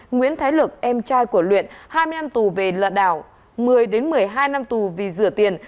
nguyễn thái luật em trai của luyện hai mươi năm tù về lợn đảo một mươi một mươi hai năm tù vì rửa tiền